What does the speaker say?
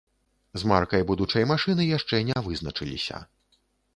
З маркай будучай машыны яшчэ не вызначыліся.